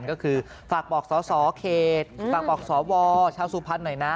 ก็คือฝากบอกสสเขตฝากบอกสวชาวสุพรรณหน่อยนะ